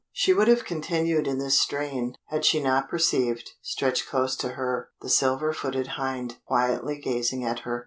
She would have continued in this strain had she not perceived, stretched close to her, the Silver footed Hind, quietly gazing at her.